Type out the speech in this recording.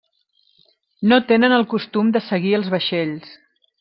No tenen el costum de seguir els vaixells.